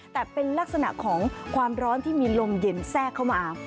แต่เป็นลักษณะของความร้อนที่มีลมเย็นแทรกเข้ามา